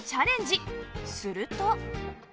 すると